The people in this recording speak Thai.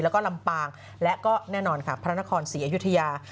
แล้วก็ลำปางและก็แน่นอนค่ะพระนครศรีอยุธยา